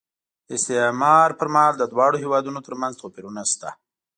د استعمار پر مهال د دواړو هېوادونو ترمنځ توپیرونه شته.